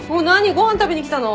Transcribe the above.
ご飯食べに来たの？